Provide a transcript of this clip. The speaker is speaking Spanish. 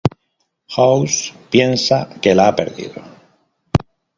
House piensa que la ha perdido.